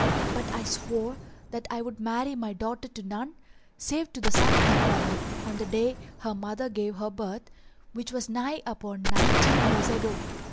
But I swore that I would marry my daughter to none save to the son of my brother on the day her mother gave her birth, which was nigh upon nineteen years ago.